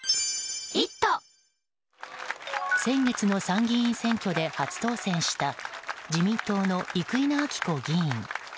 先月の参議院選挙で初当選した自民党の生稲晃子議員。